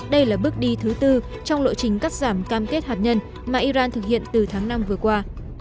đây là bước đi thứ tư trong lộ trình cắt giảm cam kết hạt nhân mà iran thực hiện từ tháng năm vừa qua